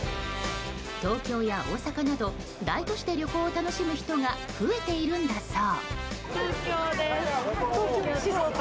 東京や大阪など大都市で旅行を楽しむ人が増えているんだそう。